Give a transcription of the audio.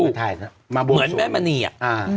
ใช่มาบุงสู้เหมือนแม่มัณีอ่ะอ่า